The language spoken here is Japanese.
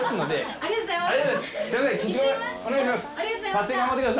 ありがとうございます